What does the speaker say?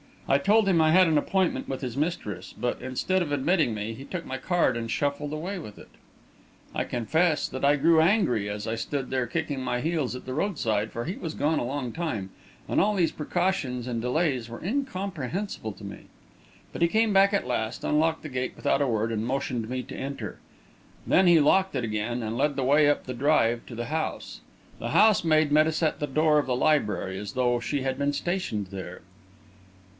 I told him I had an appointment with his mistress; but, instead of admitting me, he took my card and shuffled away with it. I confess that I grew angry, as I stood there kicking my heels at the roadside, for he was gone a long time, and all these precautions and delays were incomprehensible to me. But he came back at last, unlocked the gate without a word, and motioned me to enter. Then he locked it again, and led the way up the drive to the house. The housemaid met us at the door of the library, as though she had been stationed there.